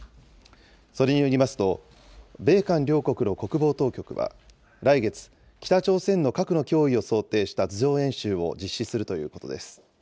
それによりますと、米韓両国の国防当局は来月、北朝鮮の核の脅威を想定した図上演習を実施するということです。